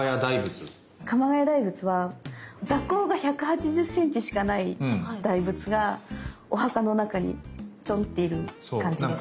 鎌ヶ谷大仏は座高が１８０センチしかない大仏がお墓の中にちょんっている感じです。